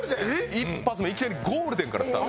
１発目いきなりゴールデンからスタート。